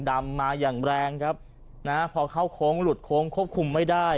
ดำมาอย่างแรงครับนะฮะพอเข้าโค้งหลุดโค้งควบคุมไม่ได้